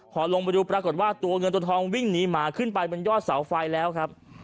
พอลงไปดูปรากฏว่าตัวเงินตัวทองวิ่งหนีหมาขึ้นไปบนยอดเสาไฟแล้วครับ